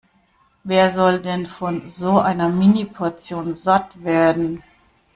Wer soll denn von so einer Mini-Portion satt werden?